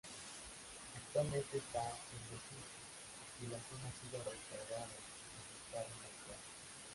Actualmente está en desuso y la zona ha sido restaurada a su estado natural.